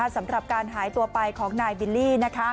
สำหรับการหายตัวไปของนายบิลลี่